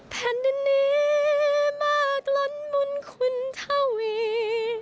แผ่นดินนี้มากล้นมุนคุณทวี